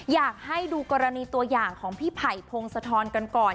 อยากให้ดูกรณีตัวอย่างของพี่ไผ่พงศธรกันก่อน